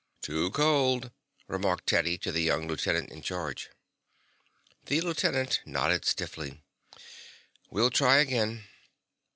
"Too cold," remarked Teddy to the young lieutenant in charge. The lieutenant nodded stiffly. "We'll try again."